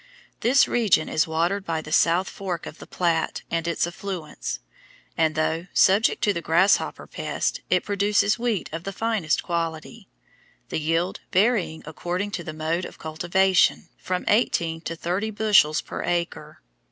This region is watered by the South Fork of the Platte and its affluents, and, though subject to the grasshopper pest, it produces wheat of the finest quality, the yield varying according to the mode of cultivation from eighteen to thirty bushels per acre.